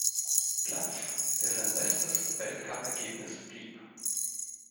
Platz, der sein bestes Weltcupergebnis blieb.